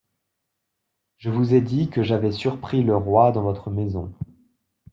Je vous ai dit que j'avais surpris le roi dans votre maison.